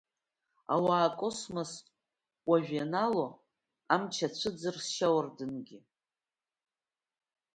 Ауаа акосмас уажә ианалоу, амч ацәыӡзар сшьауардынгьы?